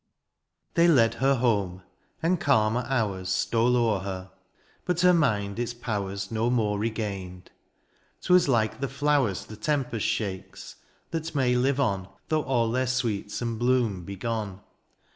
They led her home, and calmer hours Stole o^er her, but her mind its powers No more regained : ^twas like the flowers The tempest shakes, that may live on. Though all their sweets and bloom be gone.